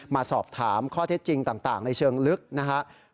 มาสอบถามข้อเท็จจริงต่างในเชิงลึกนะครับ